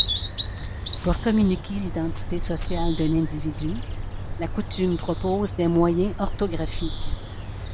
Pour communiquer l'identité sociale d'un individu, la coutume propose des moyens orthographiques.